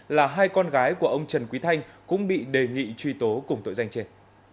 là hai con gái của ông trần quý thanh cũng bị đề nghị truy tố cùng tội danh trên